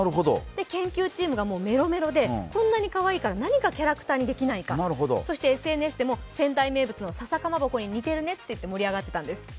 研究チームがもうメロメロでこんなにかわいいから何かキャラクターにできないかとそして、ＳＮＳでも仙台名物の笹かまぼこに似てるねって盛り上がったんです。